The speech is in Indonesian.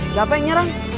siapa yang nyerang